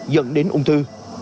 dẫn đến ung thư